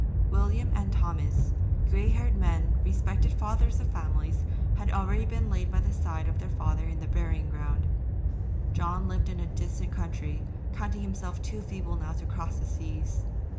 William and Thomas, grey haired men, respected fathers of families, had already been laid by the side of their father in the burying ground. John lived in a distant country, counting himself too feeble now to cross the seas.